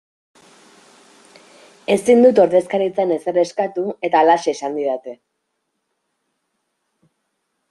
Ezin dut ordezkaritzan ezer eskatu eta halaxe esan didate.